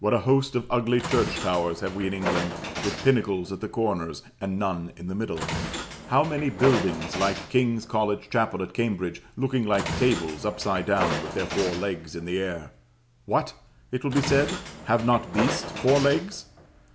What a host of ugly church towers have we in England, with pinnacles at the corners, and none in the middle! How many buildings like King's College Chapel at Cambridge, looking like tables upside down, with their four legs in the air! What! it will be said, have not beasts four legs?